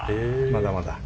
まだまだ。